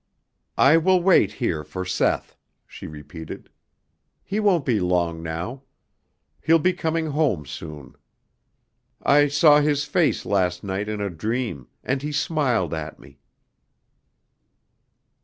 "I will wait here for Seth," she repeated. "He won't be long now. He'll be coming home soon. I saw his face last night in a dream, and he smiled at me."